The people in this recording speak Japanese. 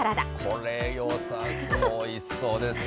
これよさそう、おいしそうですね。